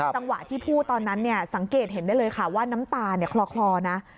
จังหวะที่พูดตอนนั้นสังเกตเห็นได้เลยค่ะว่าน้ำตาคลอนะ